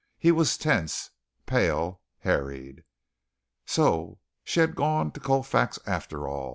He was tense, pale, harried. So she had gone to Colfax, after all.